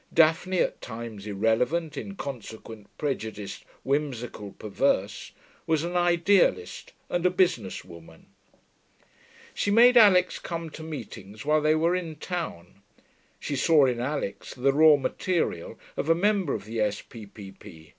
Daphne, at times irrelevant, inconsequent, prejudiced, whimsical, perverse, was an idealist and a business woman. She made Alix come to meetings while they were in town. She saw in Alix the raw material of a member of the S.P.P.P.